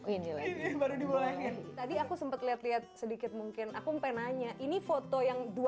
ini lagi baru dibelahin tadi aku sempet liat liat sedikit mungkin aku mp nanya ini foto yang dua puluh